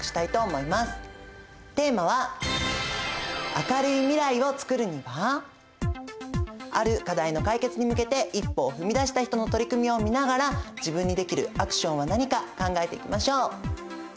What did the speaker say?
テーマはある課題の解決に向けて一歩を踏み出した人の取り組みを見ながら自分にできるアクションは何か考えていきましょう！